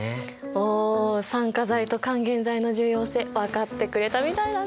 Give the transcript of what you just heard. おお酸化剤と還元剤の重要性分かってくれたみたいだね。